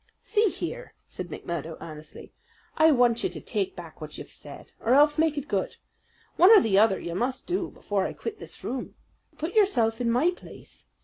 "See here!" said McMurdo earnestly. "I want you to take back what you've said, or else make it good. One or the other you must do before I quit this room. Put yourself in my place.